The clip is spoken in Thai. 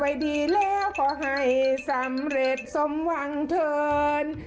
ไว้ดีแล้วขอให้สำเร็จสมหวังเถิน